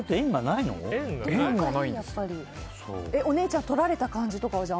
お姉ちゃんとられた感じとかは？